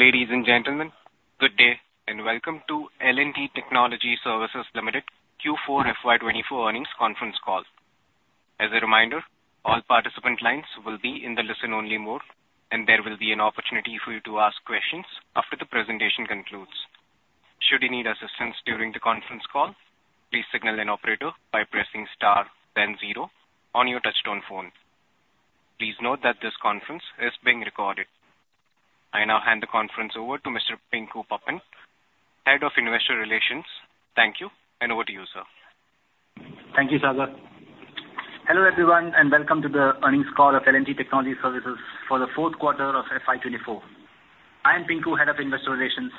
Ladies and gentlemen, good day and welcome to L&T Technology Services Limited Q4 FY 2024 earnings conference call. As a reminder, all participant lines will be in the listen-only mode, and there will be an opportunity for you to ask questions after the presentation concludes. Should you need assistance during the conference call, please signal an operator by pressing star, then zero on your touch-tone phone. Please note that this conference is being recorded. I now hand the conference over to Mr. Pinku Pappan, Head of Investor Relations. Thank you, and over to you, sir. Thank you, Sagar. Hello everyone, and welcome to the earnings call of L&T Technology Services for the fourth quarter of FY 2024. I am Pinku, Head of Investor Relations.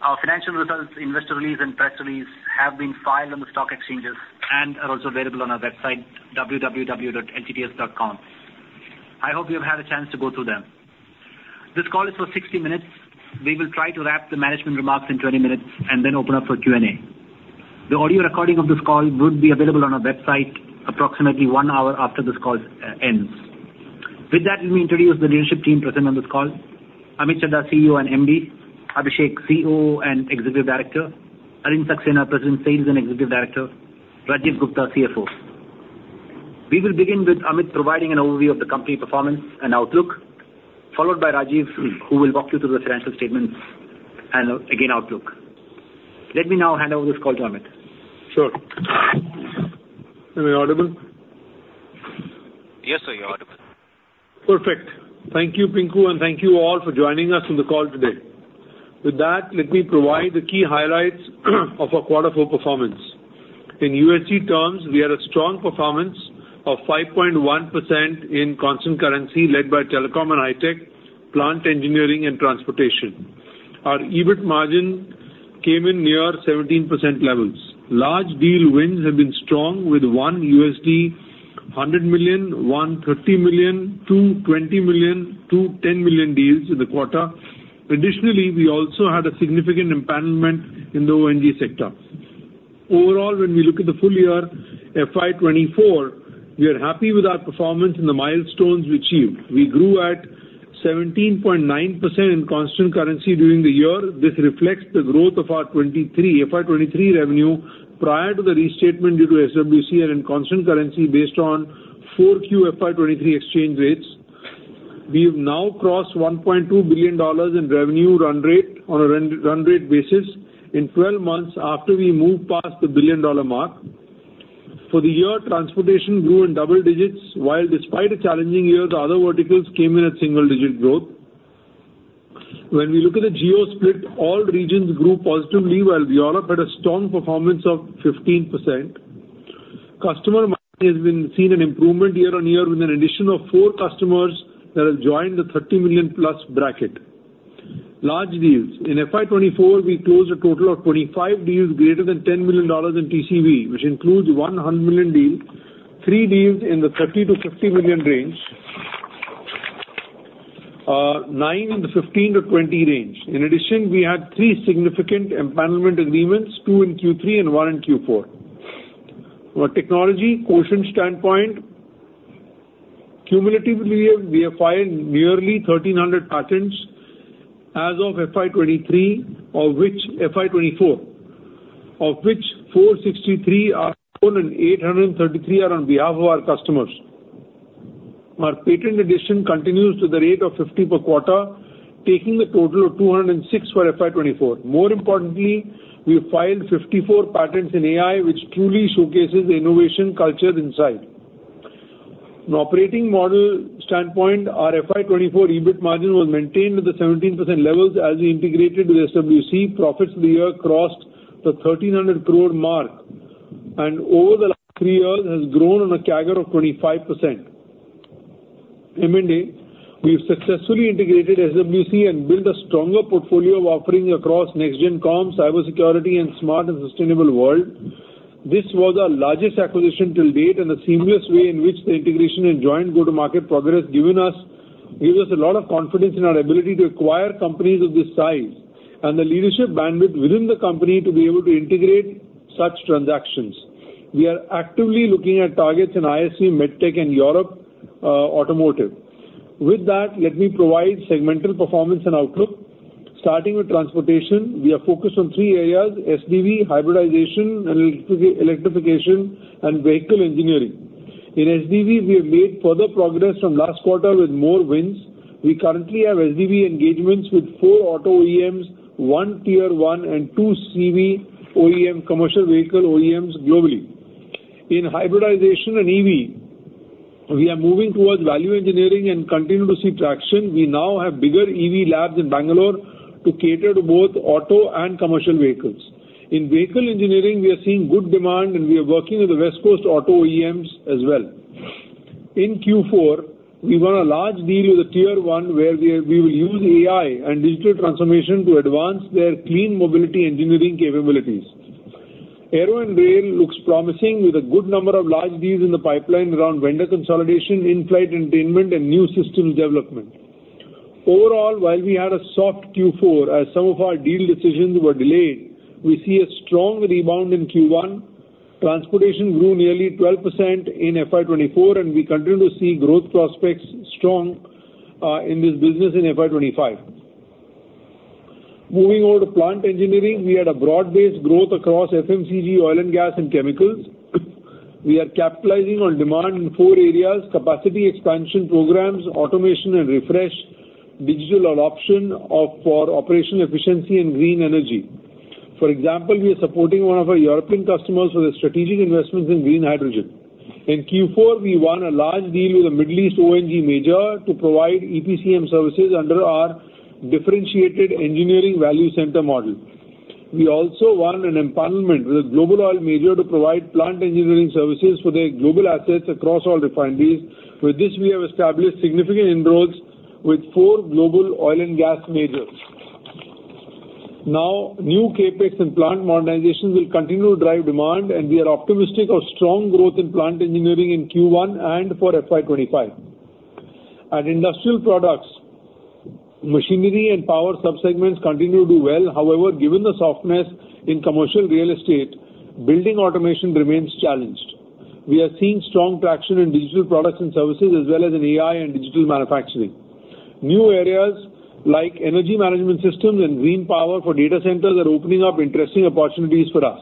Our financial results, investor release, and press release have been filed on the stock exchanges and are also available on our website, www.ltts.com. I hope you have had a chance to go through them. This call is for 60 minutes. We will try to wrap the management remarks in 20 minutes and then open up for Q&A. The audio recording of this call would be available on our website approximately one hour after this call ends. With that, let me introduce the leadership team present on this call: Amit Chadha, CEO and MD; Abhishek, COO and Executive Director; Alind Saxena, President, Sales and Executive Director; Rajeev Gupta, CFO. We will begin with Amit providing an overview of the company performance and outlook, followed by Rajeev, who will walk you through the financial statements and, again, outlook. Let me now hand over this call to Amit. Sure. Am I audible? Yes, sir. You're audible. Perfect. Thank you, Pinku, and thank you all for joining us on the call today. With that, let me provide the key highlights of our quarter four performance. In USD terms, we had a strong performance of 5.1% in constant currency led by telecom and Hi-Tech, plant engineering, and transportation. Our EBIT margin came in near 17% levels. Large deal wins have been strong with $100 million, $130 million, $220 million, $210 million deals in the quarter. Additionally, we also had a significant empanelment in the O&G sector. Overall, when we look at the full year FY 2024, we are happy with our performance and the milestones we achieved. We grew at 17.9% in constant currency during the year. This reflects the growth of our FY 2023 revenue prior to the restatement due to SWC and constant currency based on 4Q FY 2023 exchange rates. We have now crossed $1.2 billion in revenue run rate on a run rate basis in 12 months after we moved past the billion-dollar mark. For the year, transportation grew in double-digit, while despite a challenging year, the other verticals came in at single-digit growth. When we look at the geo-split, all regions grew positively, while Europe had a strong performance of 15%. Customer mining has seen an improvement year-on-year with an addition of four customers that have joined the $30 million+ bracket. Large deals: in FY 2024, we closed a total of 25 deals greater than $10 million in TCV, which includes $100 million deal, three deals in the $30 million-$50 million range, nine in the $15 million-$20 million range. In addition, we had three significant empanelment agreements, two in Q3 and one in Q4. From a technology quotient standpoint, cumulatively, we have filed nearly 1,300 patents as of FY 2024, of which 463 are owned and 833 are on behalf of our customers. Our patent addition continues to the rate of 50 per quarter, taking the total of 206 for FY 2024. More importantly, we filed 54 patents in AI, which truly showcases the innovation culture inside. From an operating model standpoint, our FY 2024 EBIT margin was maintained at the 17% levels as we integrated with SWC. Profits of the year crossed the 1,300 crores mark and, over the last three years, have grown on a CAGR of 45%. M&A, we have successfully integrated SWC and built a stronger portfolio of offerings across next-gen comms, cybersecurity, and smart and sustainable world. This was our largest acquisition till date, and the seamless way in which the integration and joint go-to-market progress gives us a lot of confidence in our ability to acquire companies of this size and the leadership bandwidth within the company to be able to integrate such transactions. We are actively looking at targets in ISV, MedTech, and Europe automotive. With that, let me provide segmental performance and outlook. Starting with transportation, we are focused on three areas: SDV, hybridization, and electrification, and vehicle engineering. In SDV, we have made further progress from last quarter with more wins. We currently have SDV engagements with four auto OEMs, one tier one, and two CV OEM commercial vehicle OEMs globally. In hybridization and EV, we are moving towards value engineering and continue to see traction. We now have bigger EV labs in Bengaluru to cater to both auto and commercial vehicles. In vehicle engineering, we are seeing good demand, and we are working with the West Coast auto OEMs as well. In Q4, we won a large deal with a tier one where we will use AI and digital transformation to advance their clean mobility engineering capabilities. Aero and rail looks promising with a good number of large deals in the pipeline around vendor consolidation, in-flight entertainment, and new systems development. Overall, while we had a soft Q4 as some of our deal decisions were delayed, we see a strong rebound in Q1. Transportation grew nearly 12% in FY 2024, and we continue to see growth prospects strong in this business in FY 2025. Moving over to plant engineering, we had a broad-based growth across FMCG, oil and gas, and chemicals. We are capitalizing on demand in four areas: capacity expansion programs, automation and refresh, digital adoption for operational efficiency, and green energy. For example, we are supporting one of our European customers with strategic investments in green hydrogen. In Q4, we won a large deal with a Middle East O&G major to provide EPCM services under our differentiated engineering value center model. We also won an empanelment with a global oil major to provide plant engineering services for their global assets across all refineries. With this, we have established significant empanelments with four global oil and gas majors. Now, new CapEx and plant modernization will continue to drive demand, and we are optimistic of strong growth in plant engineering in Q1 and for FY 2025. At industrial products, machinery and power subsegments continue to do well. However, given the softness in commercial real estate, building automation remains challenged. We are seeing strong traction in digital products and services as well as in AI and digital manufacturing. New areas like energy management systems and green power for data centers are opening up interesting opportunities for us.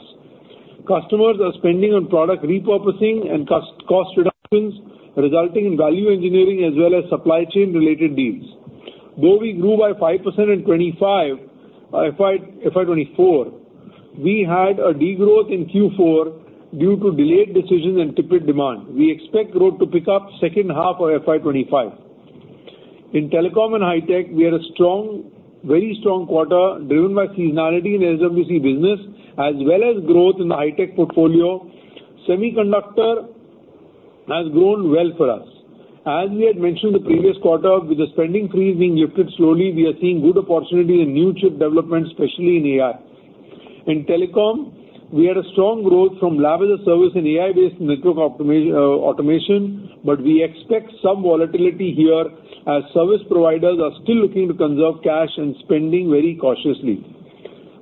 Customers are spending on product repurposing and cost reductions, resulting in value engineering as well as supply chain-related deals. Though we grew by 5% in FY 2024, we had a degrowth in Q4 due to delayed decisions and tepid demand. We expect growth to pick up in the second half of FY 2025. In telecom and high-tech, we had a very strong quarter driven by seasonality in SWC business as well as growth in the high-tech portfolio. Semiconductor has grown well for us. As we had mentioned the previous quarter, with the spending freeze being lifted slowly, we are seeing good opportunities in new chip development, especially in AI. In telecom, we had a strong growth from lab as a service in AI-based network automation, but we expect some volatility here as service providers are still looking to conserve cash and spending very cautiously.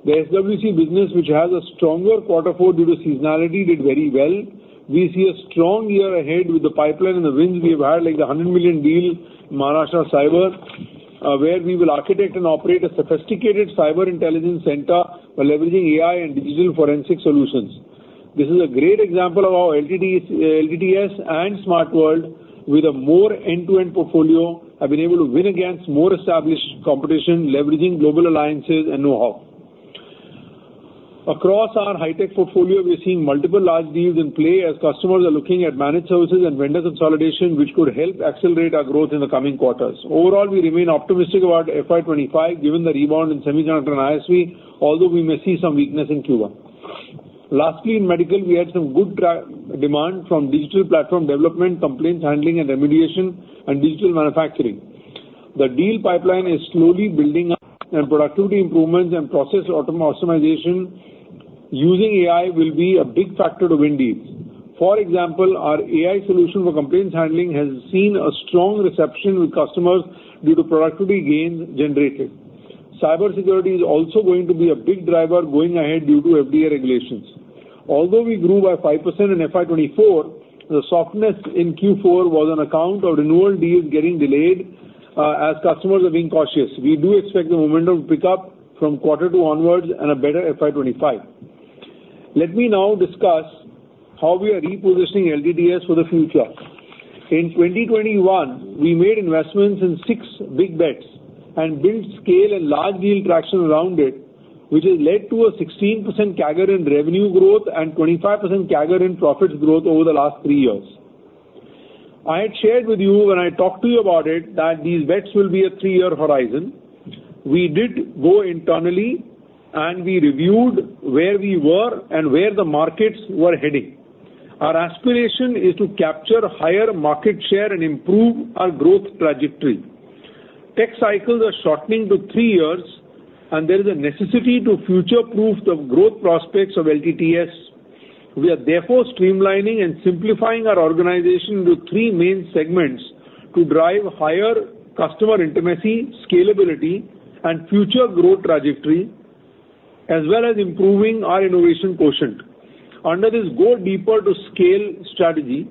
The SWC business, which has a stronger quarter four due to seasonality, did very well. We see a strong year ahead with the pipeline and the wins we have had, like the $100 million deal in Maharashtra Cyber, where we will architect and operate a sophisticated cyber intelligence center while leveraging AI and digital forensic solutions. This is a great example of how LTTS and Smart World, with a more end-to-end portfolio, have been able to win against more established competition leveraging global alliances and know-how. Across our High-Tech portfolio, we are seeing multiple large deals in play as customers are looking at managed services and vendor consolidation, which could help accelerate our growth in the coming quarters. Overall, we remain optimistic about FY 2025 given the rebound in Semiconductor and ISV, although we may see some weakness in MedTech. Lastly, in medical, we had some good demand from digital platform development, complaints handling and remediation, and digital manufacturing. The deal pipeline is slowly building up, and productivity improvements and process optimization using AI will be a big factor to win deals. For example, our AI solution for complaints handling has seen a strong reception with customers due to productivity gains generated. Cybersecurity is also going to be a big driver going ahead due to FDA regulations. Although we grew by 5% in FY 2024, the softness in Q4 was on account of renewal deals getting delayed as customers are being cautious. We do expect the momentum to pick up from quarter two onwards and a better FY 2025. Let me now discuss how we are repositioning LTTS for the future. In 2021, we made investments in six big bets and built scale and large deal traction around it, which has led to a 16% CAGR in revenue growth and 25% CAGR in profits growth over the last three years. I had shared with you when I talked to you about it that these bets will be a three-year horizon. We did go internally, and we reviewed where we were and where the markets were heading. Our aspiration is to capture higher market share and improve our growth trajectory. Tech cycles are shortening to three years, and there is a necessity to future-proof the growth prospects of LTTS. We are, therefore, streamlining and simplifying our organization into three main segments to drive higher customer intimacy, scalability, and future growth trajectory, as well as improving our innovation quotient. Under this "Go Deeper to Scale" strategy,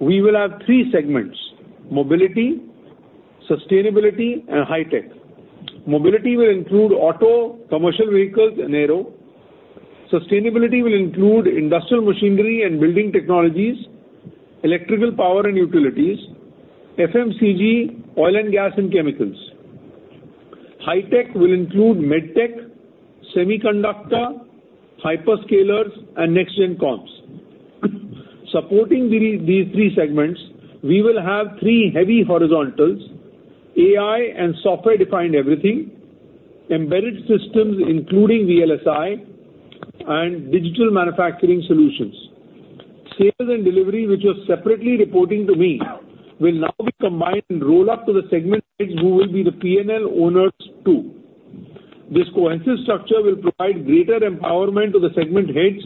we will have three segments: mobility, sustainability, and high-tech. Mobility will include auto, commercial vehicles and aero. Sustainability will include industrial machinery and building technologies, electrical power and utilities, FMCG, oil and gas, and chemicals. High-tech will include MedTech, semiconductor, hyperscalers, and next-gen comms. Supporting these three segments, we will have three heavy horizontals: AI and software-defined everything, embedded systems including VLSI, and digital manufacturing solutions. Sales and delivery, which you're separately reporting to me, will now be combined and roll up to the segment heads who will be the P&L owners too. This cohesive structure will provide greater empowerment to the segment heads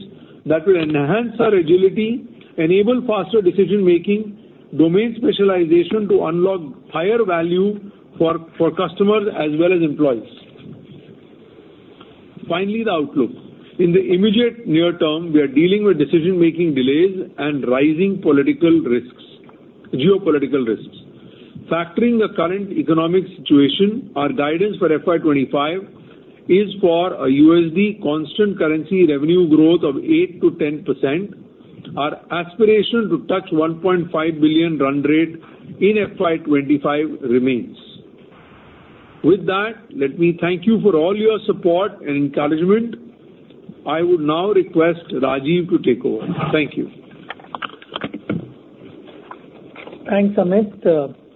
that will enhance our agility, enable faster decision-making, and domain specialization to unlock higher value for customers as well as employees. Finally, the outlook: in the immediate near term, we are dealing with decision-making delays and rising geopolitical risks. Factoring the current economic situation, our guidance for FY 2025 is for a USD constant currency revenue growth of 8%-10%. Our aspiration to touch $1.5 billion run rate in FY 2025 remains. With that, let me thank you for all your support and encouragement. I would now request Rajeev to take over. Thank you. Thanks, Amit.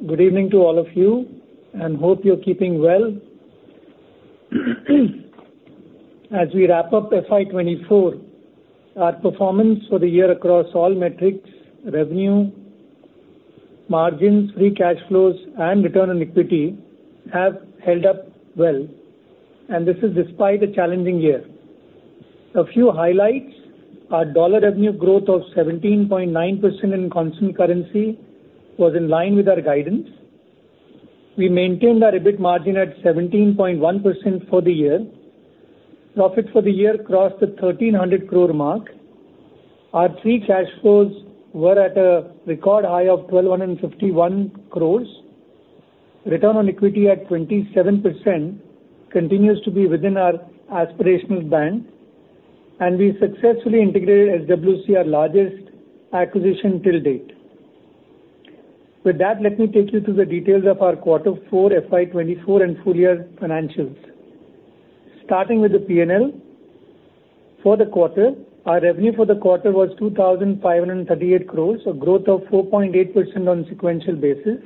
Good evening to all of you, and hope you're keeping well. As we wrap up FY 2024, our performance for the year across all metrics, revenue, margins, free cash flows, and return on equity, have held up well, and this is despite a challenging year. A few highlights: our dollar revenue growth of 17.9% in constant currency was in line with our guidance. We maintained our EBIT margin at 17.1% for the year. Profit for the year crossed the 1,300 crores mark. Our free cash flows were at a record high of 1,251 crores. Return on equity at 27% continues to be within our aspirational band, and we successfully integrated SWC, our largest acquisition till date. With that, let me take you through the details of our quarter four FY 2024 and full-year financials. Starting with the P&L for the quarter, our revenue for the quarter was 2,538 crores, a growth of 4.8% on a sequential basis.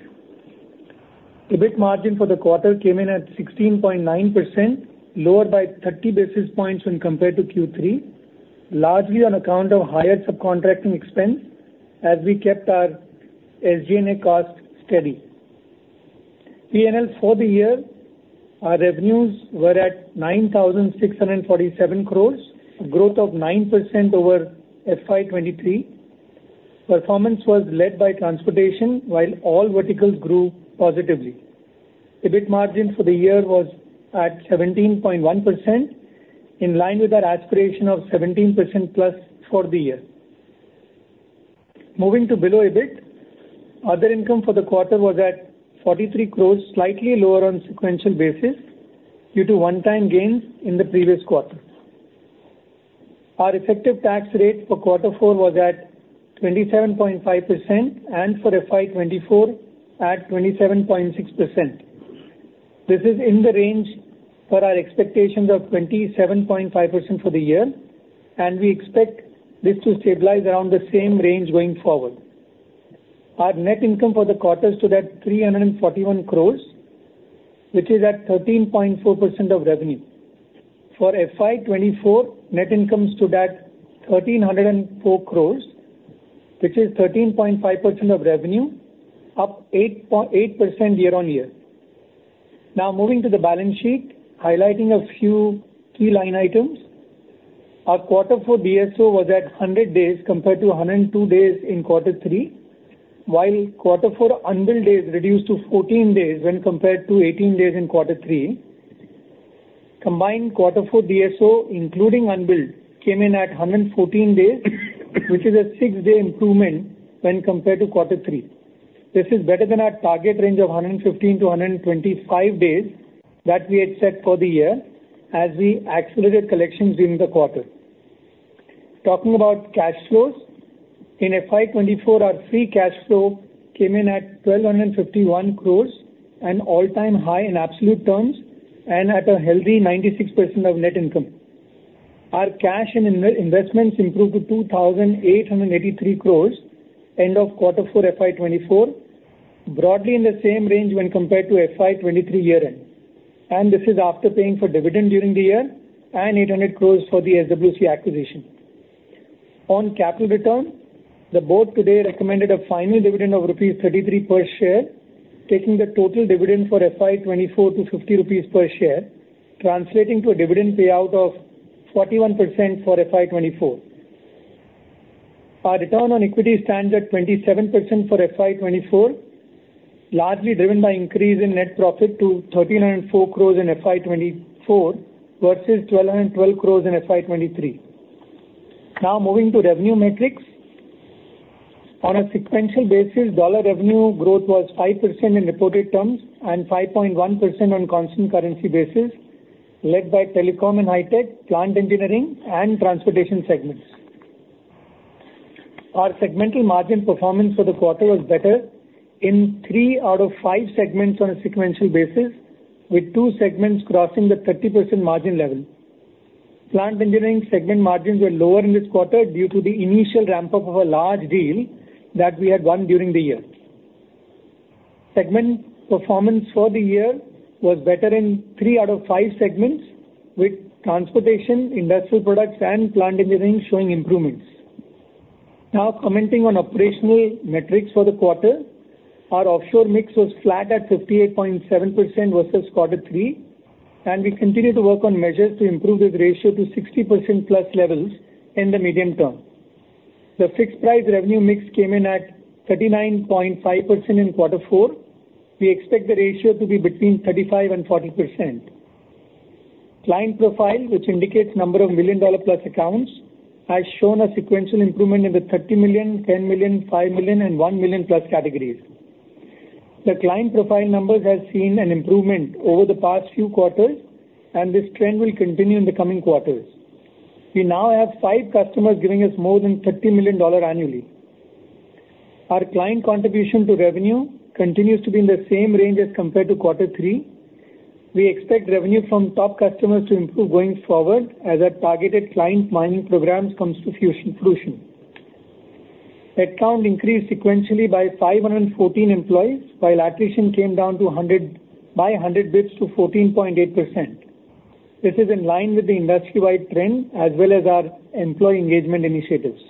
EBIT margin for the quarter came in at 16.9%, lower by 30 basis points when compared to Q3, largely on account of higher subcontracting expense as we kept our SG&A cost steady. P&L for the year: our revenues were at 9,647 crores, a growth of 9% over FY 2023. Performance was led by transportation while all verticals grew positively. EBIT margin for the year was at 17.1%, in line with our aspiration of 17%+ for the year. Moving to below EBIT, other income for the quarter was at 43 crores, slightly lower on a sequential basis due to one-time gains in the previous quarter. Our effective tax rate for quarter four was at 27.5% and for FY 2024 at 27.6%. This is in the range for our expectations of 27.5% for the year, and we expect this to stabilize around the same range going forward. Our net income for the quarter stood at 341 crores, which is at 13.4% of revenue. For FY 2024, net income stood at 1,304 crores, which is 13.5% of revenue, up 8% year-on-year. Now, moving to the balance sheet, highlighting a few key line items: our quarter four DSO was at 100 days compared to 102 days in quarter three, while quarter four unbilled days reduced to 14 days when compared to 18 days in quarter three. Combined quarter four DSO, including unbilled, came in at 114 days, which is a six-day improvement when compared to quarter three. This is better than our target range of 115-125 days that we had set for the year as we accelerated collections during the quarter. Talking about cash flows, in FY 2024, our free cash flow came in at 1,251 crores, an all-time high in absolute terms, and at a healthy 96% of net income. Our cash and investments improved to 2,883 crores end of quarter four FY 2024, broadly in the same range when compared to FY 2023 year-end. This is after paying for dividend during the year and 800 crores for the SWC acquisition. On capital return, the board today recommended a final dividend of rupees 33 per share, taking the total dividend for FY 2024 to 50 rupees per share, translating to a dividend payout of 41% for FY 2024. Our return on equity stands at 27% for FY 2024, largely driven by increase in net profit to 1,304 crores in FY 2024 versus 1,212 crores in FY 2023. Now, moving to revenue metrics: on a sequential basis, dollar revenue growth was 5% in reported terms and 5.1% on a constant currency basis, led by telecom and high-tech, plant engineering, and transportation segments. Our segmental margin performance for the quarter was better in three out of five segments on a sequential basis, with two segments crossing the 30% margin level. Plant engineering segment margins were lower in this quarter due to the initial ramp-up of a large deal that we had won during the year. Segment performance for the year was better in three out of five segments, with transportation, industrial products, and plant engineering showing improvements. Now, commenting on operational metrics for the quarter, our offshore mix was flat at 58.7% versus quarter three, and we continue to work on measures to improve this ratio to 60%+ levels in the medium term. The fixed price revenue mix came in at 39.5% in quarter four. We expect the ratio to be between 35% and 40%. Client profile, which indicates number of million-dollar-plus accounts, has shown a sequential improvement in the $30 million, $10 million, $5 million, and $1 million+ categories. The client profile numbers have seen an improvement over the past few quarters, and this trend will continue in the coming quarters. We now have five customers giving us more than $30 million annually. Our client contribution to revenue continues to be in the same range as compared to quarter three. We expect revenue from top customers to improve going forward as our targeted client mining programs come to fruition. Headcount increased sequentially by 514 employees, while attrition came down by 100 basis points to 14.8%. This is in line with the industry-wide trend as well as our employee engagement initiatives.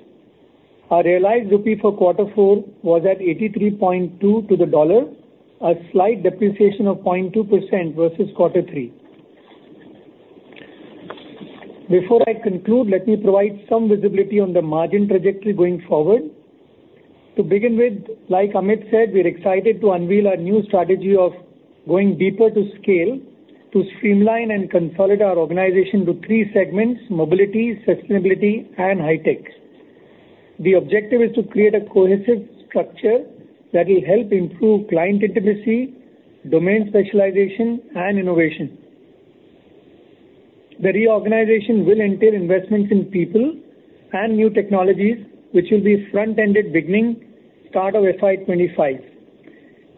Our realized rupee for quarter four was at 83.2 to the dollar, a slight depreciation of 0.2% versus quarter three. Before I conclude, let me provide some visibility on the margin trajectory going forward. To begin with, like Amit said, we're excited to unveil our new strategy of going deeper to scale to streamline and consolidate our organization to three segments: mobility, sustainability, and high-tech. The objective is to create a cohesive structure that will help improve client intimacy, domain specialization, and innovation. The reorganization will entail investments in people and new technologies, which will be front-ended beginning start of FY 2025.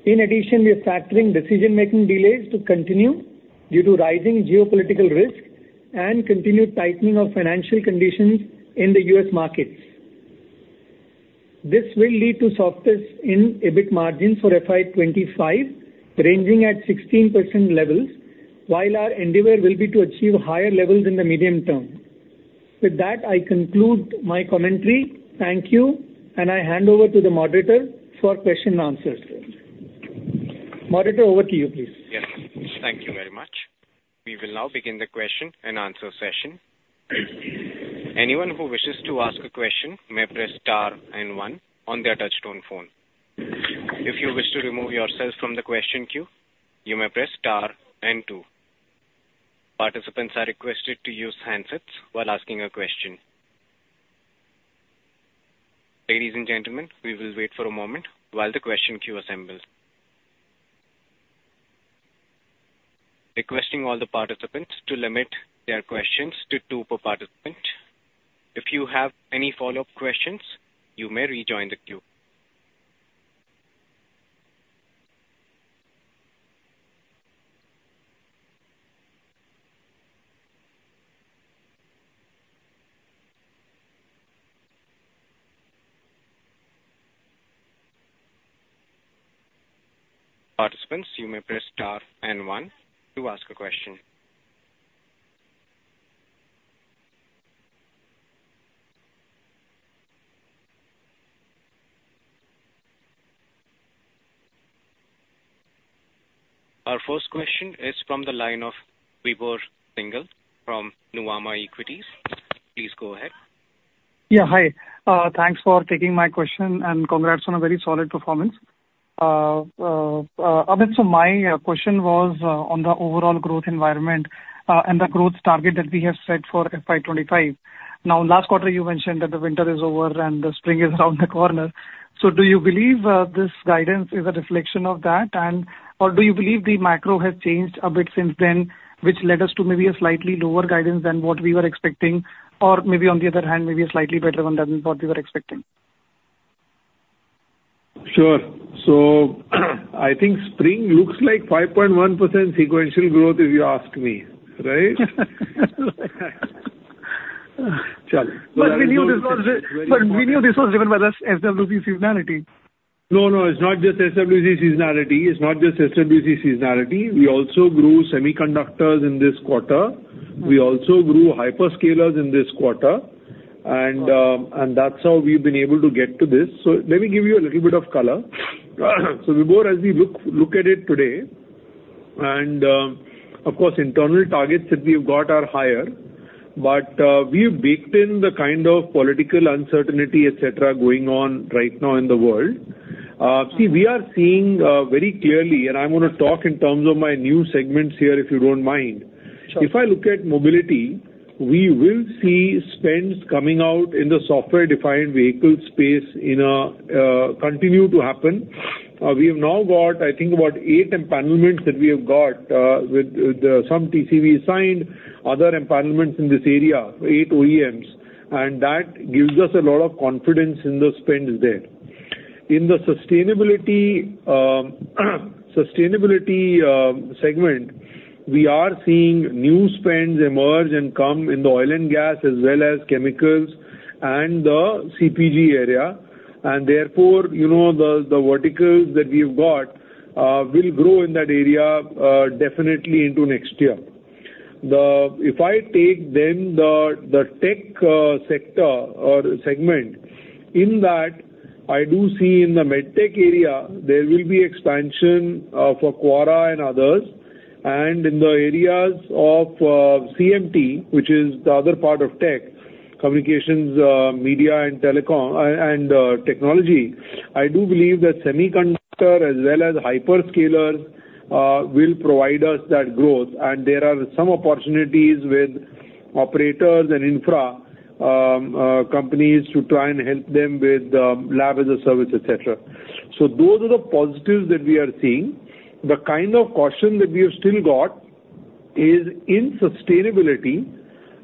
In addition, we are factoring decision-making delays to continue due to rising geopolitical risk and continued tightening of financial conditions in the U.S. markets. This will lead to softness in EBIT margins for FY 2025, ranging at 16% levels, while our endeavor will be to achieve higher levels in the medium term. With that, I conclude my commentary. Thank you, and I hand over to the moderator for question and answers. Moderator, over to you, please. Yes. Thank you very much. We will now begin the question and answer session. Anyone who wishes to ask a question may press star and one on their touch-tone phone. If you wish to remove yourself from the question queue, you may press star and two. Participants are requested to use handsets while asking a question. Ladies and gentlemen, we will wait for a moment while the question queue assembles. Requesting all the participants to limit their questions to two per participant. If you have any follow-up questions, you may rejoin the queue. Participants, you may press star and one to ask a question. Our first question is from the line of Vibhor Singhal from Nuvama Equities. Please go ahead. Yeah, hi. Thanks for taking my question, and congrats on a very solid performance. Amit, so my question was on the overall growth environment and the growth target that we have set for FY 2025. Now, last quarter, you mentioned that the winter is over and the spring is around the corner. So do you believe this guidance is a reflection of that, or do you believe the macro has changed a bit since then, which led us to maybe a slightly lower guidance than what we were expecting, or maybe on the other hand, maybe a slightly better one than what we were expecting? Sure. So I think spring looks like 5.1% sequential growth if you ask me, right? Challenge. But we knew this was driven by the SWC seasonality. No, no. It's not just SWC seasonality. It's not just SWC seasonality. We also grew semiconductors in this quarter. We also grew hyperscalers in this quarter, and that's how we've been able to get to this. So let me give you a little bit of color. So Vibhor, as we look at it today, and of course, internal targets that we've got are higher, but we've baked in the kind of political uncertainty, etc., going on right now in the world. See, we are seeing very clearly, and I'm going to talk in terms of my new segments here if you don't mind. If I look at Mobility, we will see spends coming out in the Software-Defined Vehicle space continue to happen. We have now got, I think, about eight empanelments that we have got with some TCV assigned, other empanelments in this area, eight OEMs, and that gives us a lot of confidence in the spends there. In the Sustainability segment, we are seeing new spends emerge and come in the oil and gas as well as chemicals and the CPG area. Therefore, the verticals that we have got will grow in that area definitely into next year. If I take then the tech sector or segment, in that, I do see in the MedTech area, there will be expansion for Quora and others. In the areas of CMT, which is the other part of tech, communications, media, and technology, I do believe that semiconductor as well as hyperscalers will provide us that growth. And there are some opportunities with operators and infra companies to try and help them with lab as a service, etc. So those are the positives that we are seeing. The kind of caution that we have still got is in sustainability,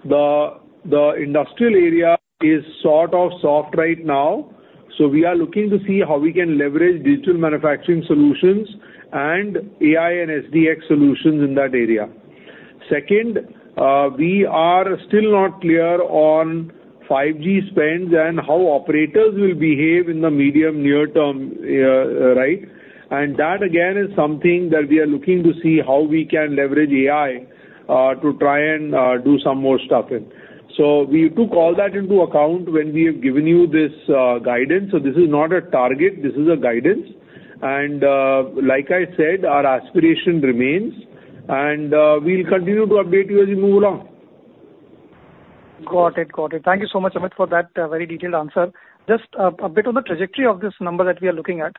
the industrial area is sort of soft right now. So we are looking to see how we can leverage digital manufacturing solutions and AI and SDX solutions in that area. Second, we are still not clear on 5G spends and how operators will behave in the medium/near term, right? And that, again, is something that we are looking to see how we can leverage AI to try and do some more stuff in. So we took all that into account when we have given you this guidance. So this is not a target. This is a guidance. And like I said, our aspiration remains, and we'll continue to update you as we move along. Got it. Got it. Thank you so much, Amit, for that very detailed answer. Just a bit on the trajectory of this number that we are looking at,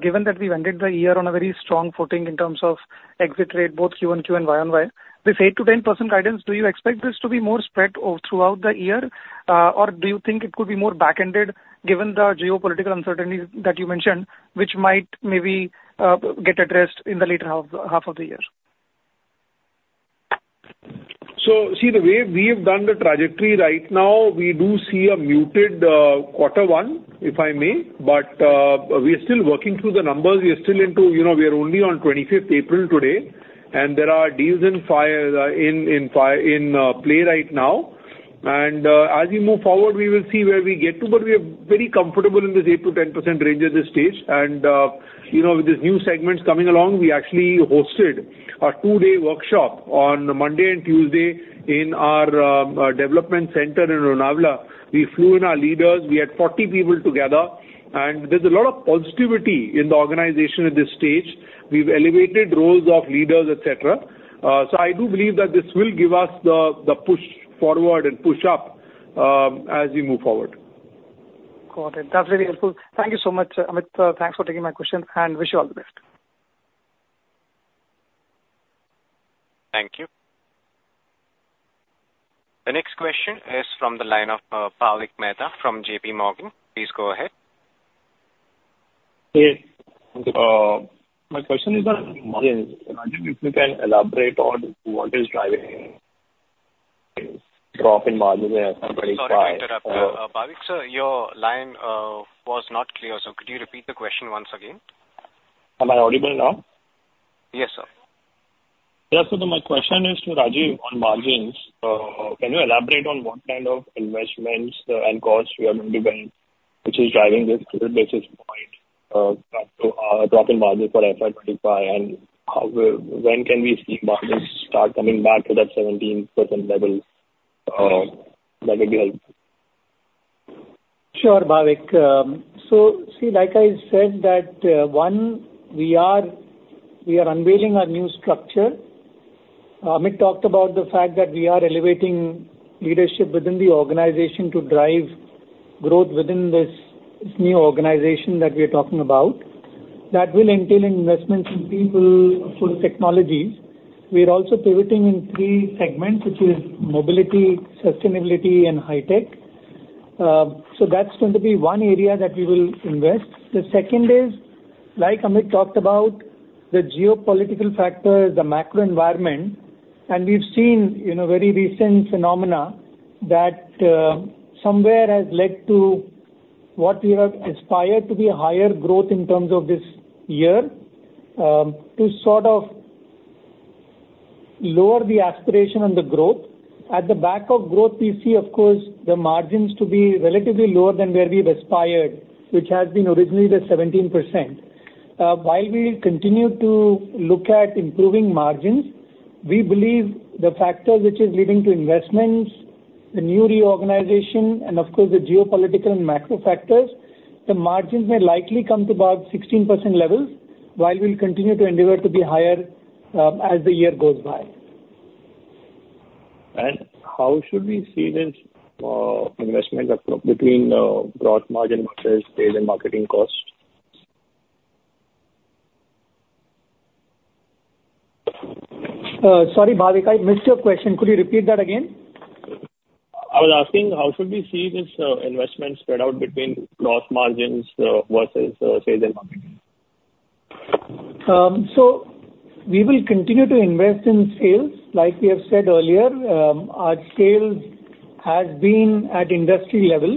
given that we've ended the year on a very strong footing in terms of exit rate, both Q&Q and Y&Y, this 8%-10% guidance, do you expect this to be more spread throughout the year, or do you think it could be more back-ended given the geopolitical uncertainties that you mentioned, which might maybe get addressed in the later half of the year? So see, the way we have done the trajectory right now, we do see a muted quarter one, if I may. But we are still working through the numbers. We are still into we are only on 25th April today, and there are deals in play right now. And as we move forward, we will see where we get to. But we are very comfortable in this 8%-10% range at this stage. With these new segments coming along, we actually hosted a two-day workshop on Monday and Tuesday in our development center in Lonavala. We flew in our leaders. We had 40 people together, and there's a lot of positivity in the organization at this stage. We've elevated roles of leaders, etc. So I do believe that this will give us the push forward and push up as we move forward. Got it. That's very helpful. Thank you so much, Amit. Thanks for taking my questions and wish you all the best. Thank you. The next question is from the line of Bhavik Mehta from JPMorgan. Please go ahead. Yes. My question is that if you can elaborate on what is driving this drop in margins and somebody's buying? Sorry to interrupt. Bhavik, sir, your line was not clear. So could you repeat the question once again? Am I audible now? Yes, sir. Yes, sir. So my question is to Rajeev on margins. Can you elaborate on what kind of investments and costs we are going to make, which is driving this basis points drop in margins for FY 2025, and when can we see margins start coming back to that 17% level? That would be helpful. Sure, Bhavik. So see, like I said that, one, we are unveiling our new structure. Amit talked about the fact that we are elevating leadership within the organization to drive growth within this new organization that we are talking about. That will entail investments in people for technologies. We are also pivoting in three segments, which is mobility, sustainability, and high-tech. So that's going to be one area that we will invest. The second is, like Amit talked about, the geopolitical factor is the macro environment. And we've seen very recent phenomena that somewhere has led to what we have aspired to be higher growth in terms of this year to sort of lower the aspiration on the growth. At the back of growth, we see, of course, the margins to be relatively lower than where we've aspired, which has been originally the 17%. While we continue to look at improving margins, we believe the factor which is leading to investments, the new reorganization, and of course, the geopolitical and macro factors, the margins may likely come to about 16% levels while we'll continue to endeavor to be higher as the year goes by. And how should we see this investment between gross margin versus sales and marketing costs? Sorry, Bhavik, I missed your question. Could you repeat that again? I was asking how should we see this investment spread out between gross margins versus sales and marketing? So we will continue to invest in sales. Like we have said earlier, our sales have been at industry level.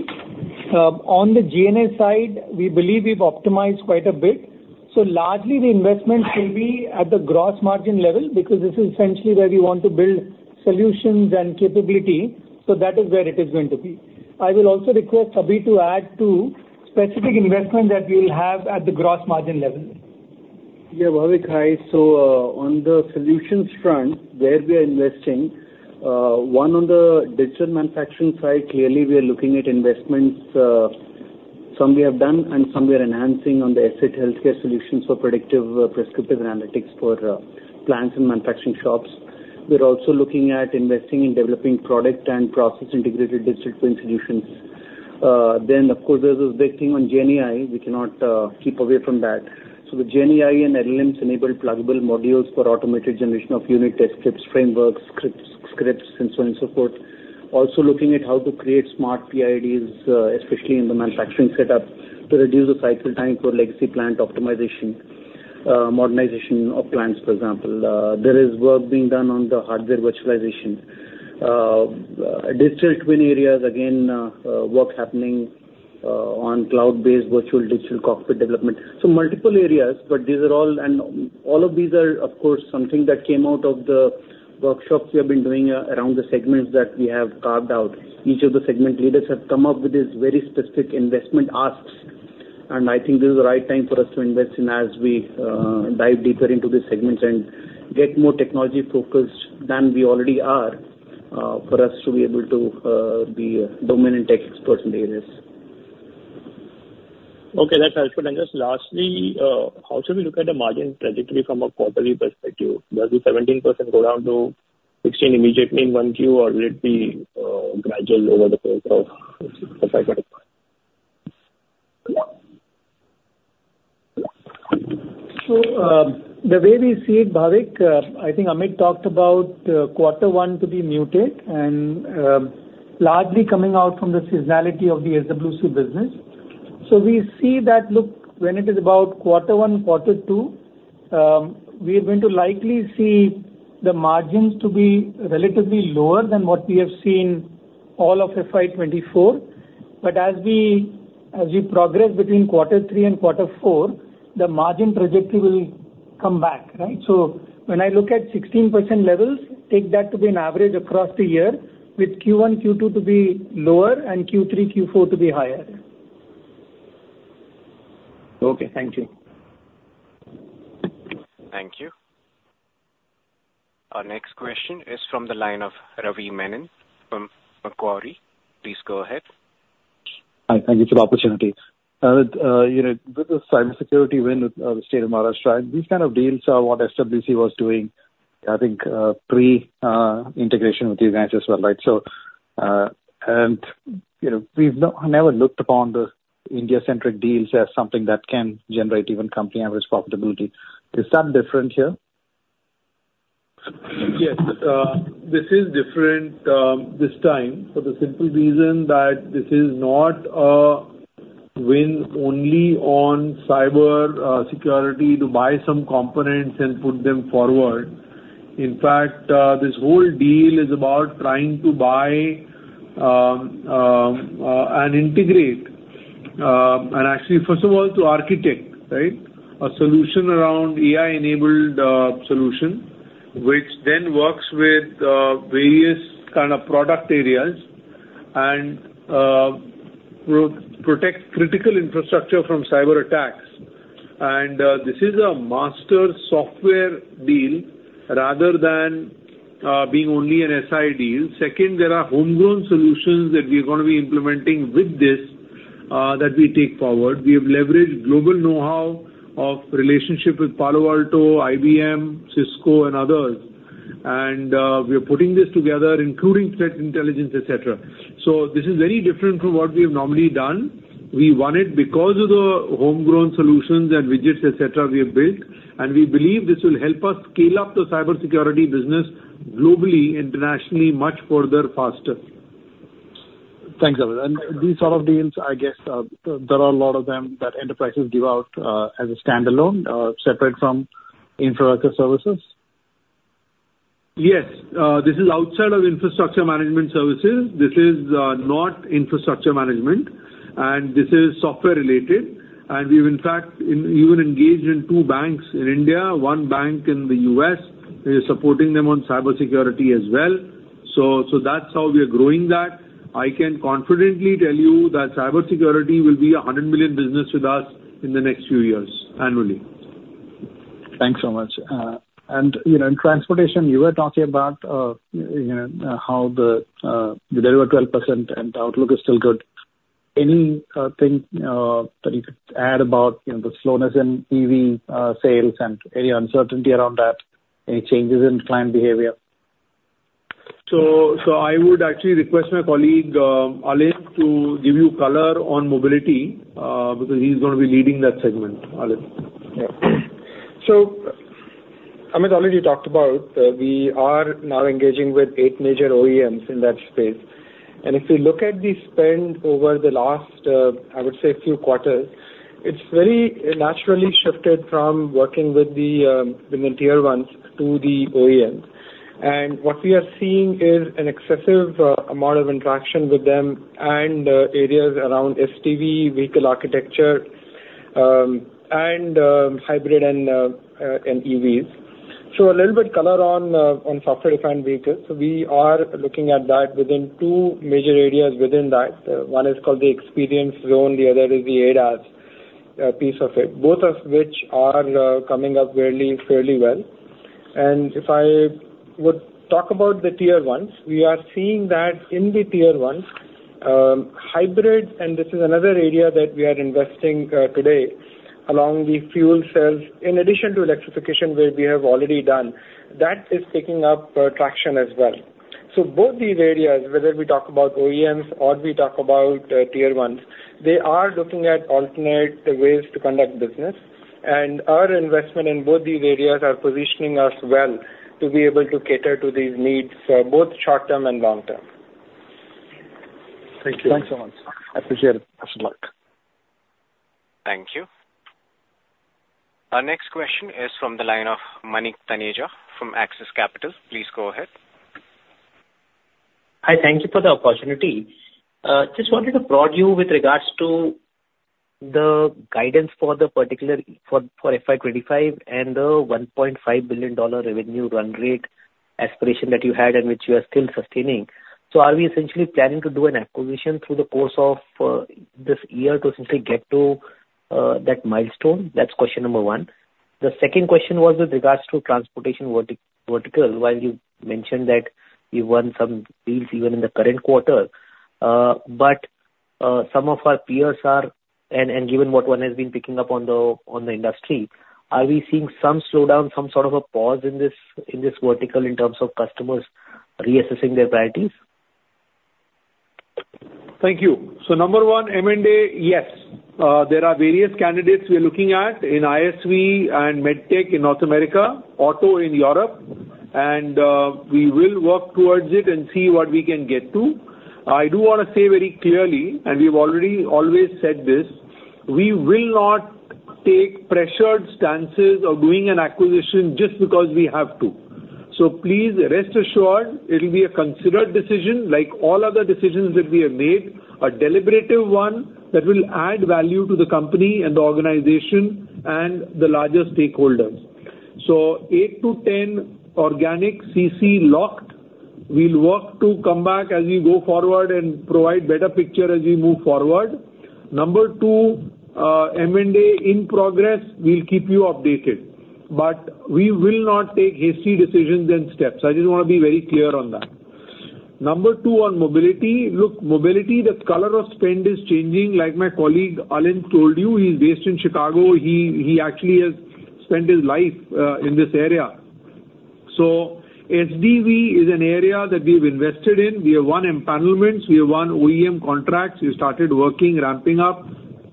On the G&A side, we believe we've optimized quite a bit. So largely, the investments will be at the gross margin level because this is essentially where we want to build solutions and capability. So that is where it is going to be. I will also request Abhi to add to specific investments that we will have at the gross margin level. Yeah, Bhavik, hi. So on the solutions front, where we are investing, one, on the digital manufacturing side, clearly, we are looking at investments. Some we have done, and some we are enhancing on the asset healthcare solutions for predictive prescriptive analytics for plants and manufacturing shops. We're also looking at investing in developing product and process-integrated Digital Twin solutions. Then, of course, there's this big thing on GenAI. We cannot keep away from that. So the GenAI and LLMs enable pluggable modules for automated generation of unit test scripts, frameworks, scripts, and so on and so forth. Also looking at how to create Smart P&ID, especially in the manufacturing setup, to reduce the cycle time for legacy plant optimization, modernization of plants, for example. There is work being done on the hardware virtualization. Digital Twin areas, again, work happening on cloud-based virtual digital cockpit development. So multiple areas, but these are all and all of these are, of course, something that came out of the workshops we have been doing around the segments that we have carved out. Each of the segment leaders have come up with these very specific investment asks. I think this is the right time for us to invest in as we dive deeper into these segments and get more technology-focused than we already are for us to be able to be a dominant tech expert in the areas. Okay. That's helpful. And just lastly, how should we look at the margin trajectory from a quarterly perspective? Does the 17% go down to 16% immediately in 1Q, or will it be gradual over the course of five quarters? So the way we see it, Bhavik, I think Amit talked about quarter one to be muted and largely coming out from the seasonality of the SWC business. So we see that, look, when it is about quarter one, quarter two, we are going to likely see the margins to be relatively lower than what we have seen all of FY 2024. But as we progress between quarter three and quarter four, the margin trajectory will come back, right? So when I look at 16% levels, take that to be an average across the year with Q1, Q2 to be lower, and Q3, Q4 to be higher. Okay. Thank you. Thank you. Our next question is from the line of Ravi Menon from Macquarie. Please go ahead. Hi. Thank you for the opportunity. Amit, with the cybersecurity win with the State of Maharashtra, these kind of deals are what SWC was doing, I think, pre-integration with you guys as well, right? And we've never looked upon the India-centric deals as something that can generate even company average profitability. Is that different here? Yes. This is different this time for the simple reason that this is not a win only on cybersecurity to buy some components and put them forward. In fact, this whole deal is about trying to buy and integrate and actually, first of all, to architect, right, a solution around AI-enabled solution, which then works with various kind of product areas and protects critical infrastructure from cyberattacks. And this is a master software deal rather than being only an SI deal. Second, there are homegrown solutions that we are going to be implementing with this that we take forward. We have leveraged global know-how of relationship with Palo Alto, IBM, Cisco, and others. And we are putting this together, including threat intelligence, etc. So this is very different from what we have normally done. We won it because of the homegrown solutions and widgets, etc., we have built. And we believe this will help us scale up the cybersecurity business globally, internationally, much further, faster. Thanks, Amit. And these sort of deals, I guess, there are a lot of them that enterprises give out as a standalone separate from infrastructure services? Yes. This is outside of infrastructure management services. This is not infrastructure management. And this is software-related. And we have, in fact, even engaged in two banks in India, one bank in the U.S. We are supporting them on cybersecurity as well. So that's how we are growing that. I can confidently tell you that cybersecurity will be a $100 million business with us in the next few years annually. Thanks so much. And in transportation, you were talking about how the delivered 12% and outlook is still good. Anything that you could add about the slowness in EV sales and any uncertainty around that, any changes in client behavior? So I would actually request my colleague Alind to give you color on mobility because he's going to be leading that segment, Alind. So Amit, Alind, you talked about we are now engaging with eight major OEMs in that space. And if we look at the spend over the last, I would say, few quarters, it's very naturally shifted from working with the tier ones to the OEMs. And what we are seeing is an excessive amount of interaction with them and areas around SDV, vehicle architecture, and hybrid and EVs. So a little bit color on software-defined vehicles. So we are looking at that within two major areas within that. One is called the experience zone. The other is the ADAS piece of it, both of which are coming up fairly well. And if I would talk about the tier ones, we are seeing that in the tier ones, hybrid and this is another area that we are investing today along the fuel cells in addition to electrification where we have already done, that is picking up traction as well. So both these areas, whether we talk about OEMs or we talk about tier ones, they are looking at alternate ways to conduct business. And our investment in both these areas are positioning us well to be able to cater to these needs, both short-term and long-term. Thank you. Thanks so much. I appreciate it. Passing on the mic. Thank you. Our next question is from the line of Manik Taneja from Axis Capital. Please go ahead. Hi. Thank you for the opportunity. Just wanted to probe you with regards to the guidance for FY 2025 and the $1.5 billion revenue run rate aspiration that you had and which you are still sustaining. So are we essentially planning to do an acquisition through the course of this year to essentially get to that milestone? That's question number one. The second question was with regards to transportation vertical while you mentioned that you won some deals even in the current quarter. But some of our peers are and given what one has been picking up on the industry, are we seeing some slowdown, some sort of a pause in this vertical in terms of customers reassessing their priorities? Thank you. So number one, M&A, yes. There are various candidates we are looking at in ISV and MedTech in North America, auto in Europe. We will work towards it and see what we can get to. I do want to say very clearly, and we have always said this, we will not take pressured stances of doing an acquisition just because we have to. So please rest assured, it will be a considered decision like all other decisions that we have made, a deliberative one that will add value to the company and the organization and the larger stakeholders. So eight to 10 organic, CC, locked. We'll work to come back as we go forward and provide better picture as we move forward. Number two, M&A in progress, we'll keep you updated. But we will not take hasty decisions and steps. I just want to be very clear on that. Number two on mobility, look, mobility, the color of spend is changing. Like my colleague Alind told you, he's based in Chicago. He actually has spent his life in this area. So SDV is an area that we have invested in. We have won empanelments. We have won OEM contracts. We started working, ramping up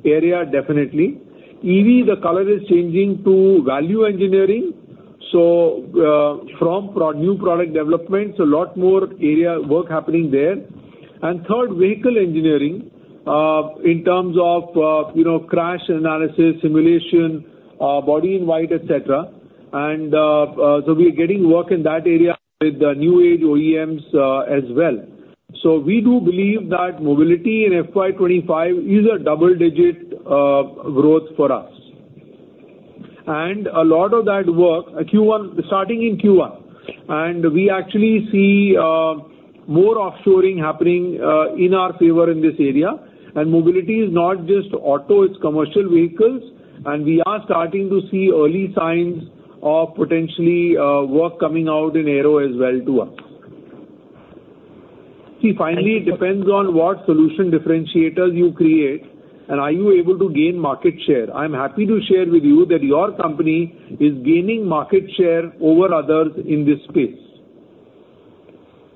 area, definitely. EV, the color is changing to Value Engineering. So from new product development, so a lot more area work happening there. And third, Vehicle Engineering in terms of crash analysis, simulation, Body in White, etc. And so we are getting work in that area with the new age OEMs as well. So we do believe that mobility in FY 2025 is a double-digit growth for us. And a lot of that work, starting in Q1, and we actually see more offshoring happening in our favor in this area. And mobility is not just auto. It's commercial vehicles. And we are starting to see early signs of potentially work coming out in aero as well to us. See, finally, it depends on what solution differentiators you create and are you able to gain market share? I'm happy to share with you that your company is gaining market share over others in this space.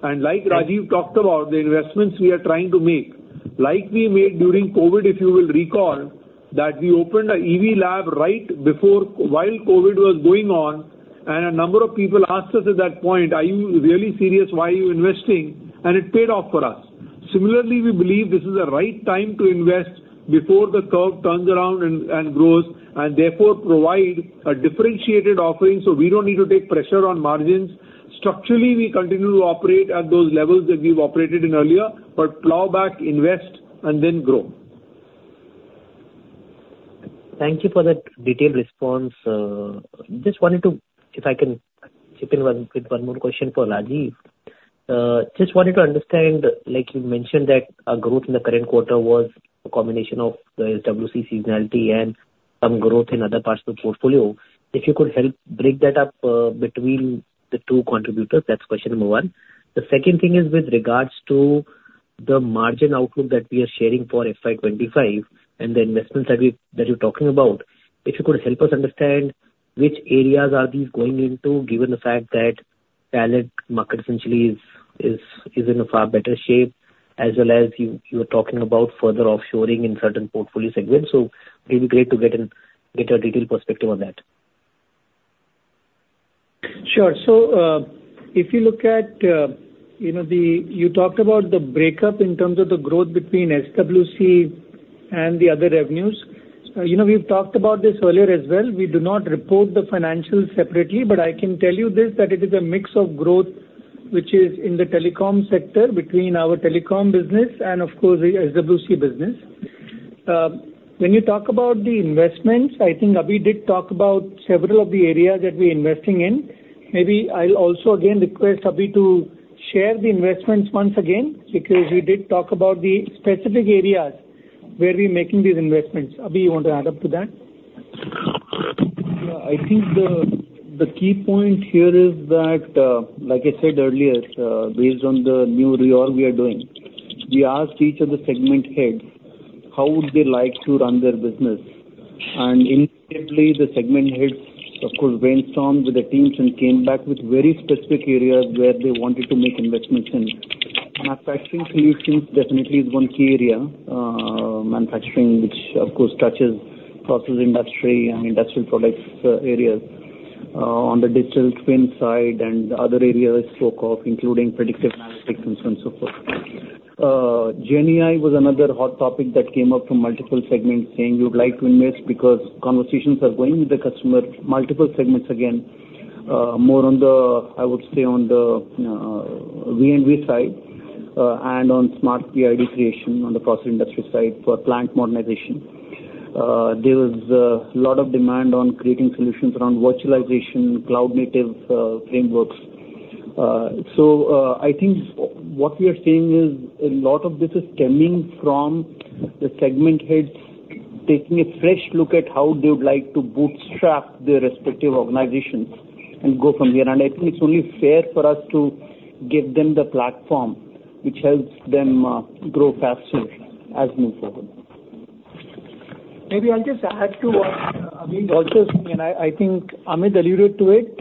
And like Rajeev talked about, the investments we are trying to make, like we made during COVID, if you will recall, that we opened an EV lab while COVID was going on. And a number of people asked us at that point, "Are you really serious? Why are you investing?" And it paid off for us. Similarly, we believe this is the right time to invest before the curve turns around and grows and therefore provide a differentiated offering so we don't need to take pressure on margins. Structurally, we continue to operate at those levels that we've operated in earlier, but plow back, invest, and then grow. Thank you for that detailed response. Just wanted to, if I can chip in with one more question for Rajeev. Just wanted to understand, like you mentioned that a growth in the current quarter was a combination of the SWC seasonality and some growth in other parts of the portfolio. If you could help break that up between the two contributors, that's question number one. The second thing is with regards to the margin outlook that we are sharing for FY 2025 and the investments that you're talking about, if you could help us understand which areas are these going into given the fact that talent market essentially is in a far better shape as well as you were talking about further offshoring in certain portfolio segments. So it'd be great to get a detailed perspective on that. Sure. So if you look at the, you talked about the breakup in terms of the growth between SWC and the other revenues. We've talked about this earlier as well. We do not report the financials separately. But I can tell you this, that it is a mix of growth which is in the telecom sector between our telecom business and, of course, the SWC business. When you talk about the investments, I think Abhi did talk about several of the areas that we are investing in. Maybe I'll also, again, request Abhi to share the investments once again because we did talk about the specific areas where we are making these investments. Abhi, you want to add up to that? Yeah. I think the key point here is that, like I said earlier, based on the new re-org we are doing, we asked each of the segment heads how would they like to run their business. Inevitably, the segment heads, of course, brainstormed with the teams and came back with very specific areas where they wanted to make investments in. Manufacturing solutions definitely is one key area, manufacturing, which, of course, touches process industry and industrial products areas on the digital twin side and other areas spoke of, including predictive analytics and so on and so forth. GenAI was another hot topic that came up from multiple segments saying you would like to invest because conversations are going with the customer, multiple segments again, more on the, I would say, on the V&V side and on smart P&ID creation on the process industry side for plant modernization. There was a lot of demand on creating solutions around virtualization, cloud-native frameworks. So I think what we are seeing is a lot of this is stemming from the segment heads taking a fresh look at how they would like to bootstrap their respective organizations and go from here. And I think it's only fair for us to give them the platform which helps them grow faster as we move forward. Maybe I'll just add to what Abhi also said. And I think Amit alluded to it.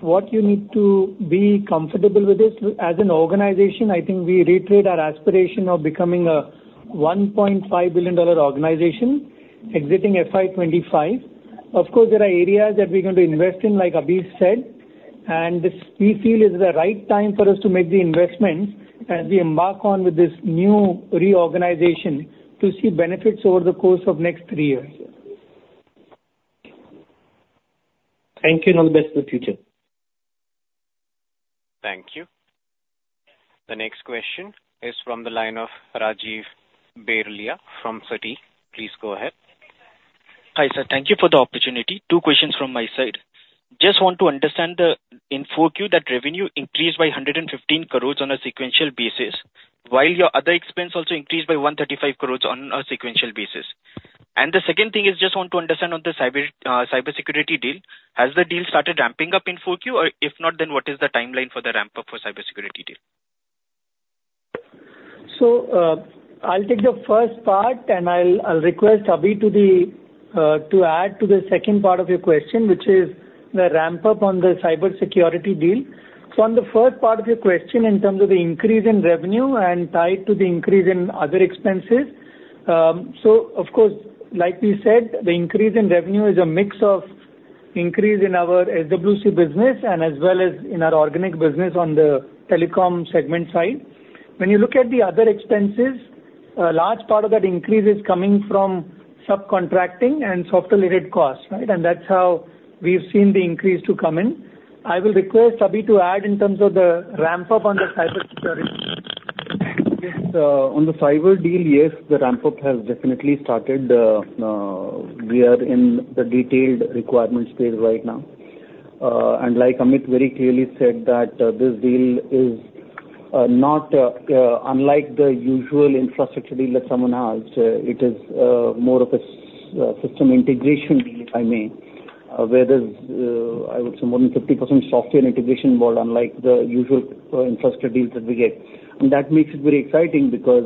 What you need to be comfortable with is, as an organization, I think we reiterate our aspiration of becoming a $1.5 billion organization exiting FY 2025. Of course, there are areas that we're going to invest in, like Abhi said. We feel it's the right time for us to make the investments as we embark on with this new reorganization to see benefits over the course of next 3 years. Thank you and all the best for the future. Thank you. The next question is from the line of Rajiv Berlia from Citi. Please go ahead. Hi, sir. Thank you for the opportunity. Two questions from my side. Just want to understand then in 4Q that revenue increased by 115 crores on a sequential basis while your other expense also increased by 135 crores on a sequential basis. And the second thing is just want to understand on the cybersecurity deal. Has the deal started ramping up in 4Q? Or if not, then what is the timeline for the ramp-up for cybersecurity deal? So I'll take the first part. And I'll request Abhi to add to the second part of your question, which is the ramp-up on the cybersecurity deal. So on the first part of your question in terms of the increase in revenue and tied to the increase in other expenses, so, of course, like we said, the increase in revenue is a mix of increase in our SWC business and as well as in our organic business on the telecom segment side. When you look at the other expenses, a large part of that increase is coming from subcontracting and software-related costs, right? And that's how we've seen the increase to come in. I will request Abhi to add in terms of the ramp-up on the cybersecurity deal. On the cyber deal, yes, the ramp-up has definitely started. We are in the detailed requirements phase right now. And like Amit very clearly said, that this deal is not unlike the usual infrastructure deal that someone has. It is more of a system integration deal, if I may, where there's, I would say, more than 50% software integration involved unlike the usual infrastructure deals that we get. And that makes it very exciting because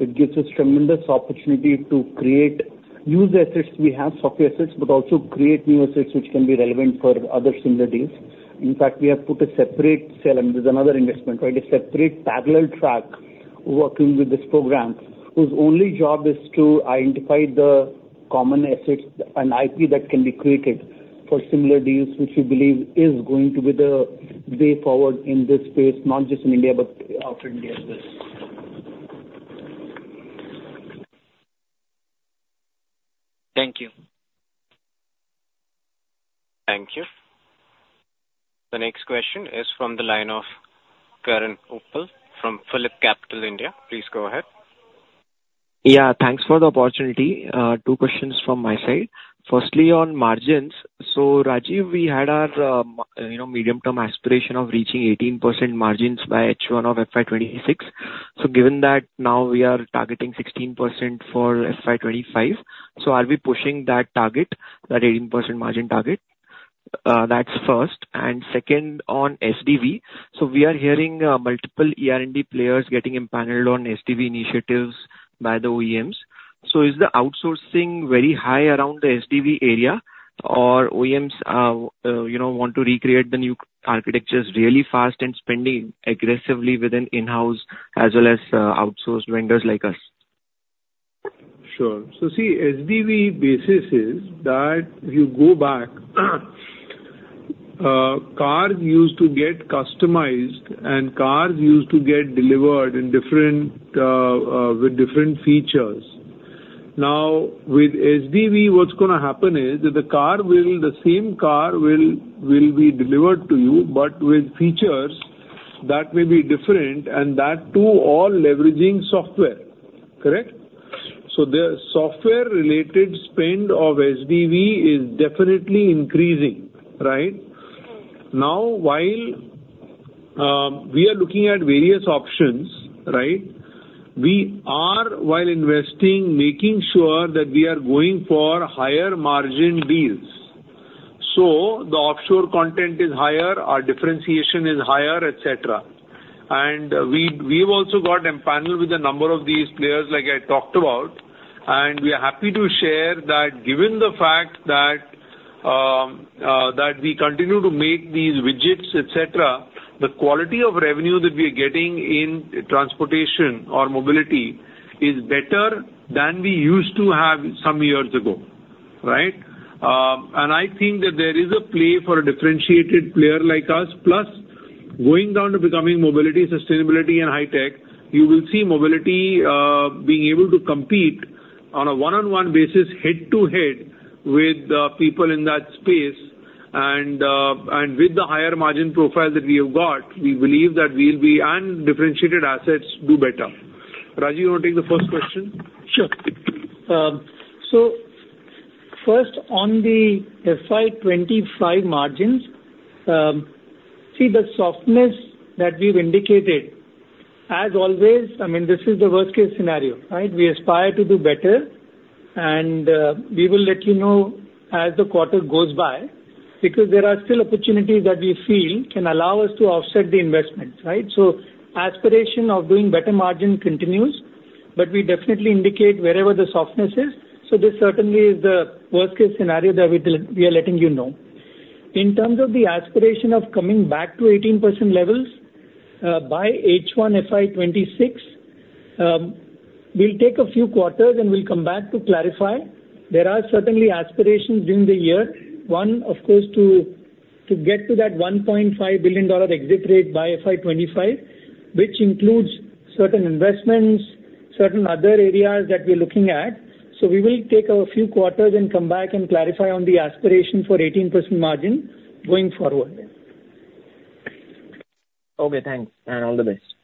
it gives us tremendous opportunity to create new assets. We have software assets but also create new assets which can be relevant for other similar deals. In fact, we have put a separate cell and there's another investment, right, a separate parallel track working with this program whose only job is to identify the common assets and IP that can be created for similar deals, which we believe is going to be the way forward in this space, not just in India but outside India as well. Thank you. Thank you. The next question is from the line of Karan Uppal from PhillipCapital, India. Please go ahead. Yeah. Thanks for the opportunity. Two questions from my side. Firstly, on margins. So Rajeev, we had our medium-term aspiration of reaching 18% margins by H1 of FY 2026. So given that now we are targeting 16% for FY 2025, so are we pushing that target, that 18% margin target? That's first. And second, on SDV, so we are hearing multiple ER&D players getting empanelled on SDV initiatives by the OEMs. So is the outsourcing very high around the SDV area? Or OEMs want to recreate the new architectures really fast and spending aggressively within in-house as well as outsourced vendors like us? Sure. So see, SDV basis is that if you go back, cars used to get customized, and cars used to get delivered with different features. Now, with SDV, what's going to happen is that the same car will be delivered to you but with features that may be different and that too all leveraging software, correct? So the software-related spend of SDV is definitely increasing, right? Now, while we are looking at various options, right, we are, while investing, making sure that we are going for higher margin deals. So the offshore content is higher, our differentiation is higher, etc. And we have also got empaneled with a number of these players like I talked about. And we are happy to share that given the fact that we continue to make these widgets, etc., the quality of revenue that we are getting in transportation or mobility is better than we used to have some years ago, right? And I think that there is a play for a differentiated player like us. Plus, going down to the Mobility, Sustainability, and High-Tech, you will see Mobility being able to compete on a one-on-one basis, head-to-head with people in that space. And with the higher margin profile that we have got, we believe that we'll be and differentiated assets do better. Rajeev, you want to take the first question? Sure. So first, on the FY 2025 margins, see, the softness that we've indicated, as always I mean, this is the worst-case scenario, right? We aspire to do better. And we will let you know as the quarter goes by because there are still opportunities that we feel can allow us to offset the investments, right? So aspiration of doing better margin continues. But we definitely indicate wherever the softness is. So this certainly is the worst-case scenario that we are letting you know. In terms of the aspiration of coming back to 18% levels by H1 FY 2026, we'll take a few quarters and we'll come back to clarify. There are certainly aspirations during the year, one, of course, to get to that $1.5 billion exit rate by FY 2025, which includes certain investments, certain other areas that we're looking at. So we will take a few quarters and come back and clarify on the aspiration for 18% margin going forward. Okay. Thanks. And all the best.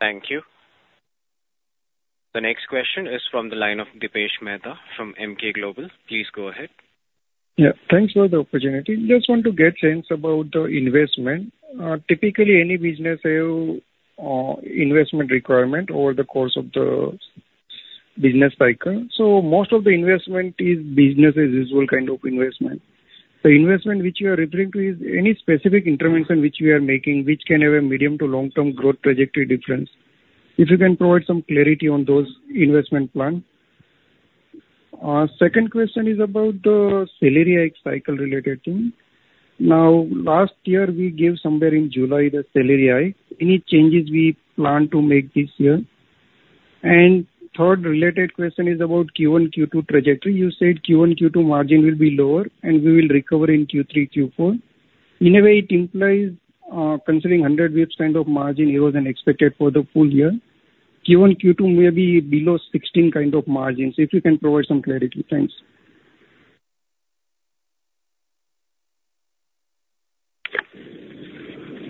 Thank you. The next question is from the line of Dipesh Mehta from Emkay Global. Please go ahead. Yeah. Thanks for the opportunity. Just want to get sense about the investment. Typically, any business have investment requirement over the course of the business cycle. So most of the investment is business-as-usual kind of investment. The investment which you are referring to is any specific intervention which we are making which can have a medium to long-term growth trajectory difference. If you can provide some clarity on those investment plans. Second question is about the salary hike cycle-related thing. Now, last year, we gave somewhere in July the salary hike. Any changes we plan to make this year? And third-related question is about Q1, Q2 trajectory. You said Q1, Q2 margin will be lower, and we will recover in Q3, Q4. In a way, it implies considering 100 basis points kind of margin here wasn't expected for the full year. Q1, Q2 may be below 16 kind of margins. If you can provide some clarity. Thanks.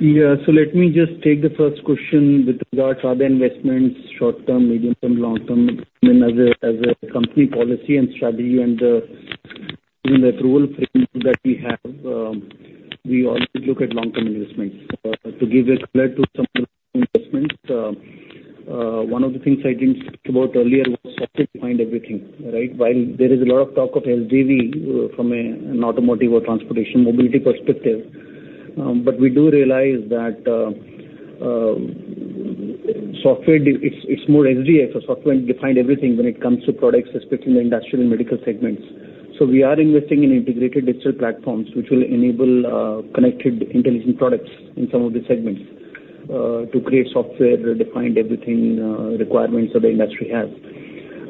Yeah. So let me just take the first question with regards to other investments, short-term, medium-term, long-term. I mean, as a company policy and strategy and even the approval framework that we have, we always look at long-term investments. To give a color to some of the investments, one of the things I didn't speak about earlier was software-defined everything, right? While there is a lot of talk of SDV from an automotive or transportation mobility perspective, but we do realize that software it's more SDx for software-defined everything when it comes to products, especially in the industrial and medical segments. So we are investing in integrated digital platforms which will enable connected intelligent products in some of the segments to create software-defined everything requirements that the industry has.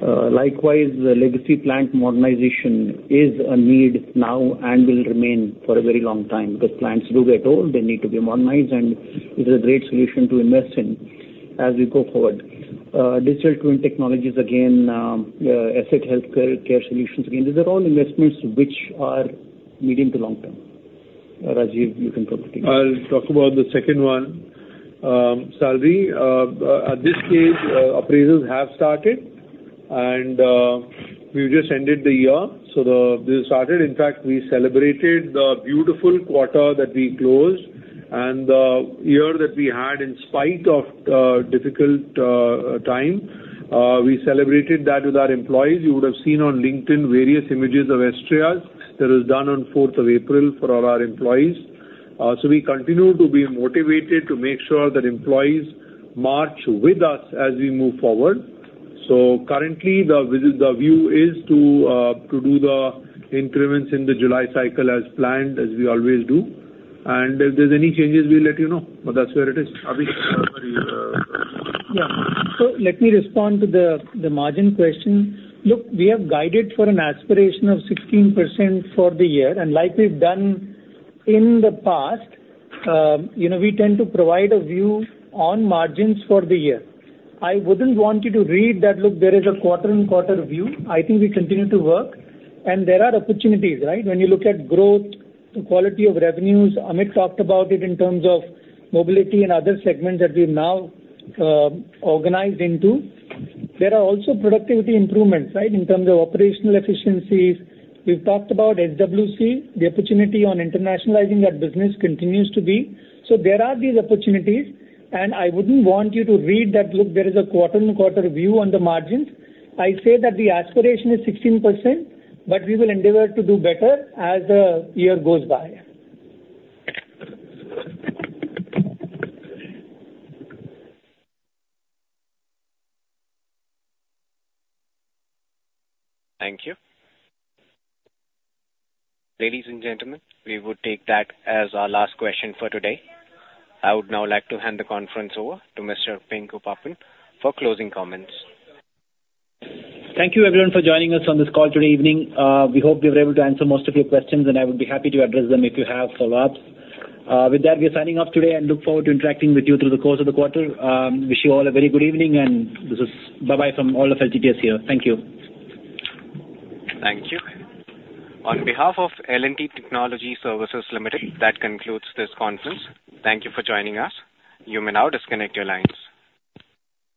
Likewise, legacy plant modernization is a need now and will remain for a very long time because plants do get old. They need to be modernized. It is a great solution to invest in as we go forward. Digital Twin technologies, again, asset healthcare solutions, again, these are all investments which are medium to long-term. Rajeev, you can probably take that. I'll talk about the second one. Salary, at this stage, appraisals have started. We've just ended the year. This started. In fact, we celebrated the beautiful quarter that we closed and the year that we had in spite of difficult time. We celebrated that with our employees. You would have seen on LinkedIn various images of STRs that was done on 4th of April for all our employees. We continue to be motivated to make sure that employees march with us as we move forward. Currently, the view is to do the increments in the July cycle as planned, as we always do. And if there's any changes, we'll let you know. But that's where it is. Abhishek, sorry. Yeah. So let me respond to the margin question. Look, we have guided for an aspiration of 16% for the year. And like we've done in the past, we tend to provide a view on margins for the year. I wouldn't want you to read that, "Look, there is a quarter-on-quarter view." I think we continue to work. And there are opportunities, right? When you look at growth, the quality of revenues, Amit talked about it in terms of mobility and other segments that we've now organized into. There are also productivity improvements, right, in terms of operational efficiencies. We've talked about SWC. The opportunity on internationalizing that business continues to be. So there are these opportunities. I wouldn't want you to read that, "Look, there is a quarter-on-quarter view on the margins." I say that the aspiration is 16%, but we will endeavor to do better as the year goes by. Thank you. Ladies and gentlemen, we would take that as our last question for today. I would now like to hand the conference over to Mr. Pinku Pappan for closing comments. Thank you, everyone, for joining us on this call today evening. We hope we were able to answer most of your questions. I would be happy to address them if you have follow-ups. With that, we're signing off today and look forward to interacting with you through the course of the quarter. Wish you all a very good evening. Bye-bye from all of LTTS here. Thank you. Thank you. On behalf of L&T Technology Services Limited, that concludes this conference. Thank you for joining us. You may now disconnect your lines.